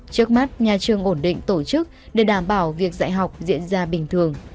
trước mắt nhà trường ổn định tổ chức để đảm bảo việc dạy học diễn ra bình thường